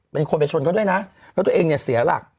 เป็นคนไปชนเขาด้วยนะแล้วตัวเองเนี่ยเสียหลัก